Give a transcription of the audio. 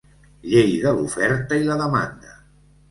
Llei de l'oferta i la demanda.